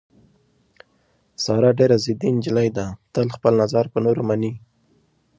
ساره ډېره ضدي نجیلۍ ده، تل خپل نظر په نورو مني.